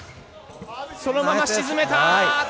そのまま沈めた！